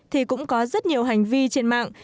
thì cũng có rất nhiều hành vi trên mạng